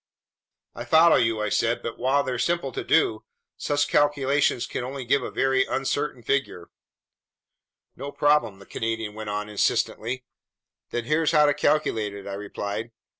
"I follow you," I said. "But while they're simple to do, such calculations can give only a very uncertain figure." "No problem," the Canadian went on insistently. "Then here's how to calculate it," I replied.